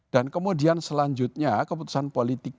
dan kemudian selanjutnya keputusan politik